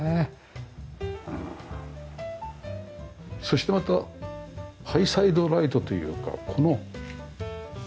そしてまたハイサイドライトというかこのねえ。